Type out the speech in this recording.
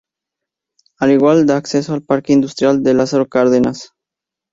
Al igual da acceso al parque industrial de Lázaro Cárdenas.